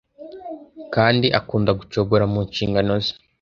kandi akunda gucogora mu nshingano ze